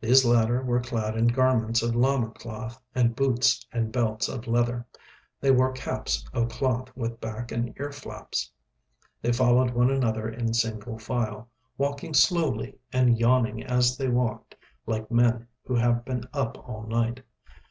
These latter were clad in garments of llama cloth and boots and belts of leather, and they wore caps of cloth with back and ear flaps. They followed one another in single file, walking slowly and yawning as they walked, like men who have been up all night.